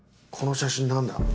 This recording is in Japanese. この写真何だ？